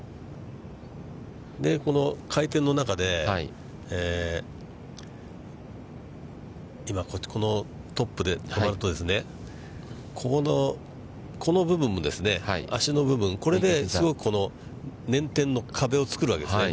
この回転の中で、今、このトップで止まると、ここのこの部分、足の部分、これですごく捻転の壁を作るわけですね。